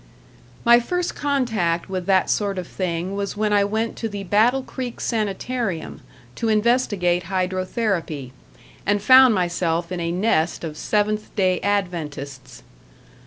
My first contact with that sort of thing was when I went to the Battle Creek Sanitarium to investigate hydrotherapy, and found myself in a nest of Seventh day Adventists.